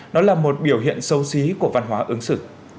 nó là một biểu hiện sâu xí của văn hóa ứng xử